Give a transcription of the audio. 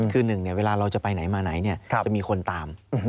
คือหนึ่งเวลาเราจะไปไหนมาไหนจะมีคนตาม